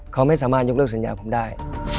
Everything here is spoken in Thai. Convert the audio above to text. เขาไม่สามารถยกเลิกสัญญาผมได้